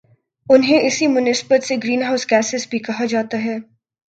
انہیں اسی مناسبت سے گرین ہاؤس گیسیں بھی کہا جاتا ہے